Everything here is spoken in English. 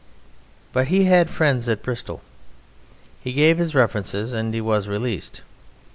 But he had friends at Bristol. He gave his references and he was released.